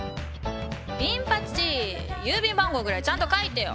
ビン八郵便番号ぐらいちゃんと書いてよ！